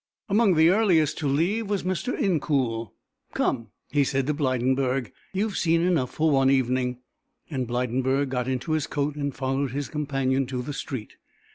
Among the earliest to leave was Mr. Incoul. "Come," he said to Blydenburg, "you have seen enough for one evening," and Blydenburg got into his coat and followed his companion to the street.